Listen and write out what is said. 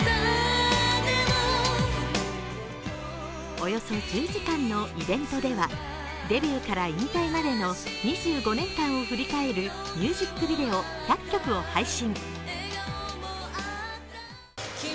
およそ１０時間のイベントではデビューから引退までの２５年間を振り返るミュージックビデオ１００曲を配信。